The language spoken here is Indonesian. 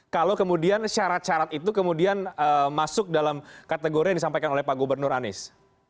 kalau kemudian syarat syarat itu kemudian masuk dalam kategori yang disampaikan oleh pak gubernur anies